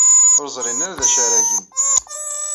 Ur ẓrin ara d acu ara gen.